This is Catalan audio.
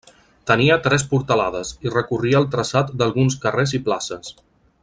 Tenia tres portalades, i recorria el traçat d'alguns carrers i places.